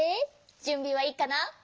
じゅんびはいいかな？